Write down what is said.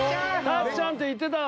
たっちゃんって言ってたわ。